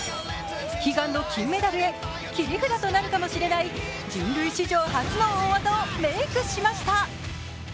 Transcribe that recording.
悲願の金メダルへ、切り札となるかもしれない人類史上初の大技をメイクしました。